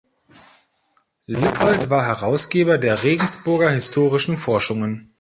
Lippold war Herausgeber der "Regensburger Historischen Forschungen".